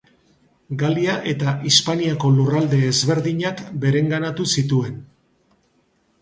Galia eta Hispaniako lurralde ezberdinak bereganatu zituen.